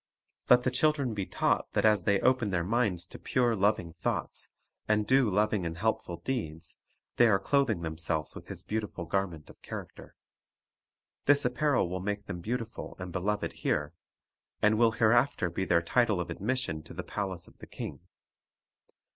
Let the children be taught that as they open their minds to pure, loving thoughts and do loving and helpful deeds, they are clothing themselves with His beautiful garment of character. This apparel will make them beautiful and beloved here, and will hereafter be their title of admission to the palace of the King.